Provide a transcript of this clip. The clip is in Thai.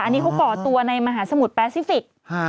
อันนี้เขาก่อตัวในมหาสมุทรแปซิฟิกส์